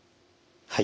はい。